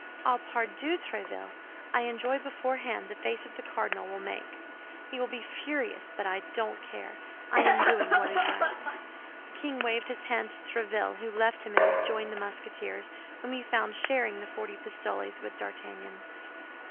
Ah, pardieu, Tréville! I enjoy beforehand the face the cardinal will make. He will be furious; but I don't care. I am doing what is right." The king waved his hand to Tréville, who left him and rejoined the Musketeers, whom he found sharing the forty pistoles with D'Artagnan.